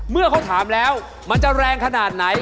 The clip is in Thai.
เมื่อเขาถามแล้วมันจะแรงขนาดไหน